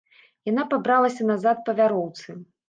Яна пабралася назад па вяроўцы.